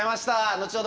後ほど